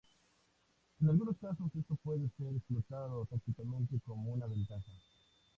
En algunos casos esto puede ser explotado tácticamente como una ventaja.